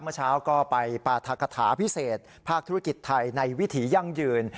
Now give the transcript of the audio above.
เมื่อเช้าก็ไปปราธกฐาพิเศษภาคธุรกิจไทยในวิถียั่งยืน